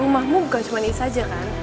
rumahmu bukan cuma ini saja kan